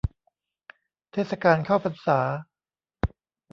เทศกาลเข้าพรรษา